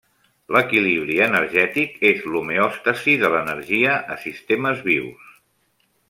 L'equilibri energètic és l'homeòstasi de l'energia a sistemes vius.